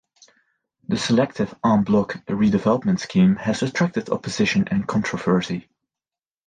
The Selective En bloc Redevelopment Scheme has attracted opposition and controversy.